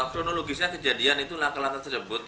kronologisnya kejadian itu langkah langkah tersebut